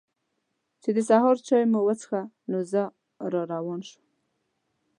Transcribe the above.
چې د سهار چای مو وڅښه نو زه را روان شوم.